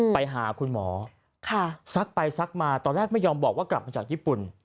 ไปหาคุณหมอซักไปซักมาตอนแรกไม่ยอมบอกว่ากลับมาจากญี่ปุ่น